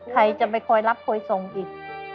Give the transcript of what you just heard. ใครจะไปคอยรับคอยส่งอีก